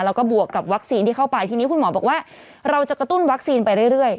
แล้วก็บวกกับวัคซีนที่เข้าไปทีนี้คุณหมอบอกว่าเราจะกระตุ้นวัคซีนไปเรื่อย